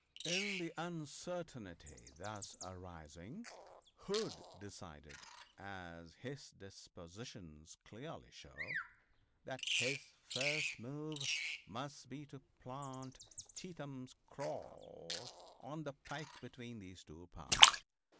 In the uncertainty thus arising Hood decided, as his dispositions clearly show, that his first move must be to plant Cheatham's corps on the pike between those two parts.